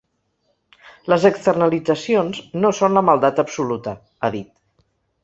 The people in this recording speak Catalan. Les externalitzacions no són la maldat absoluta, ha dit.